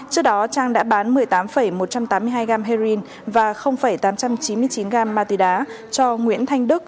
trước đó trang đã bán một mươi tám một trăm tám mươi hai gram heroin và tám trăm chín mươi chín gam ma túy đá cho nguyễn thanh đức